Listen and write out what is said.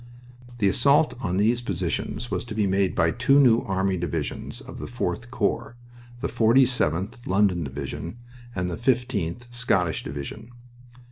The assault on these positions was to be made by two New Army divisions of the 4th Corps: the 47th (London) Division, and the 15th (Scottish) Division.